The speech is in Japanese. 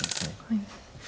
はい。